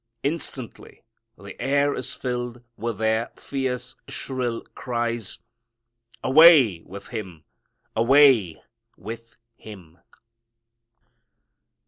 Instantly the air is filled with their fierce shrill cries, "Away with Him: Away with Him."